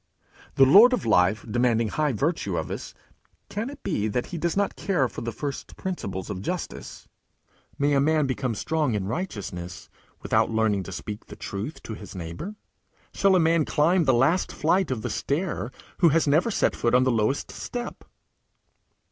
The Lord of life demanding high virtue of us, can it be that he does not care for the first principles of justice? May a man become strong in righteousness without learning to speak the truth to his neighbour? Shall a man climb the last flight of the stair who has never set foot on the lowest step?